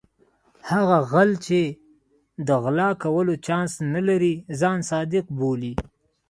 هغه غل چې د غلا کولو چانس نه لري ځان صادق بولي.